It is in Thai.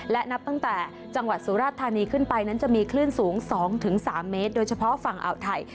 และนับตั้งแต่จังหวัดสุราชธานีขึ้นไปนั้นจะมีคลื่นสูง๒๓เมตรโดยเฉพาะฝั่งอ่าวไทย